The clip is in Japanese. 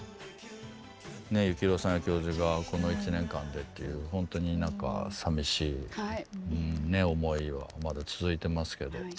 幸宏さんや教授がこの１年間でっていう本当に何か寂しい思いはまだ続いてますけど。